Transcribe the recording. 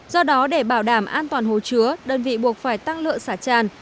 do đó để bảo đảm an toàn hồ chứa đơn vị buộc phải tăng lượng xả tràn